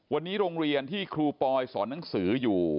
วันนี้โรงเรียนที่ครูปอยสอนหนังสืออยู่